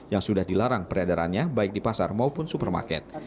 yang sudah dilarang peredarannya baik di pasar maupun supermarket